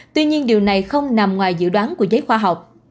tuy nhiên điều này không nằm ngoài dự đoán của giới khoa học